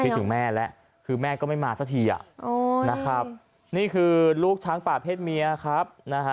ไม่ถึงแม่แหละคือแม่ก็ไม่มาสักทีอ่ะนี่คือลูกช้างป่าเพศเมียครับ